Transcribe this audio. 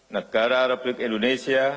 negara republik indonesia